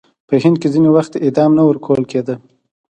په هند کې ځینې وخت اعدام نه ورکول کېده.